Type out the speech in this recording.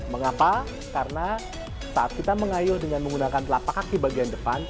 mengapa karena saat kita mengayuh dengan menggunakan telapak kaki bagian depan